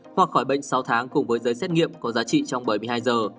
hoặc khỏi bệnh sáu tháng cùng với giấy xét nghiệm có giá trị trong bảy mươi hai giờ